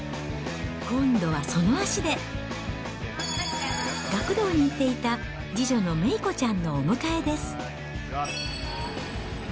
今度はその足で、学童に行っていた次女のめいこちゃんのお迎えです。